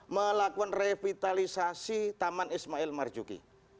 melakukan revitalisasi taman ismail marzuki